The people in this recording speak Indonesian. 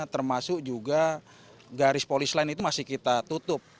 dan juga garis polis lain itu masih kita tutup